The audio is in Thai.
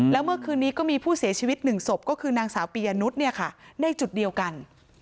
แล้วเมื่อคืนนี้ก็มีผู้เสียชีวิต๑ศพก็คือนางสาวปียะนุษย์ในจุดเดียวกัน